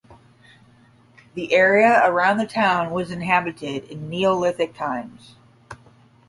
The area around the town was inhabited in Neolithic times.